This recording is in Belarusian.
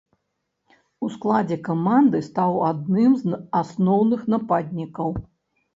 У складзе каманды стаў адным з асноўных нападнікаў.